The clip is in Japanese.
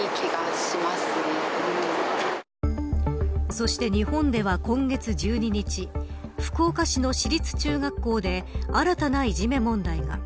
そして日本では今月１２日福岡市の私立中学校で新たないじめ問題が。